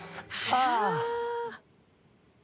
ああ。